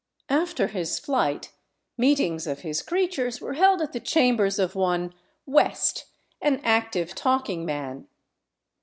After his flight, meetings of his creatures were held at the chambers of one West, an active talking man.